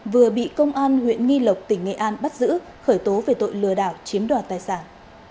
vừa bị công an huyện nghi lộc tỉnh nghệ an bắt giữ khởi tố về tội lừa đảo chiếm đoạt tài sản